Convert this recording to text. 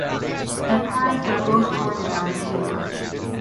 Her parents were both born in Armenia.